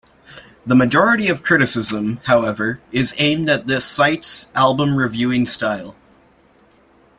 The majority of criticism, however, is aimed at the site's album reviewing style.